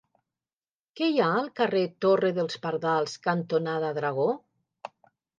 Què hi ha al carrer Torre dels Pardals cantonada Dragó?